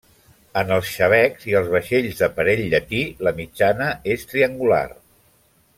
En els xabecs i els vaixells d'aparell llatí la mitjana és triangular.